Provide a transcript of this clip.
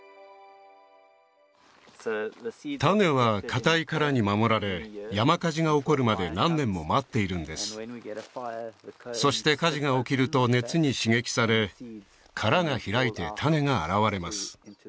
種はかたい殻に守られ山火事が起こるまで何年も待っているんですそして火事が起きると熱に刺激され殻が開いて種が現れます